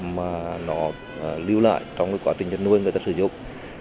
mà nó lưu lại trong quá trình chăn nuôi người ta sử dụng